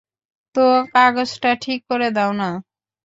তো কাগজটা ঠিক করে দাও না।